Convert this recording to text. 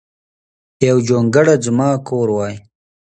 یو جونګړه ځما کور وای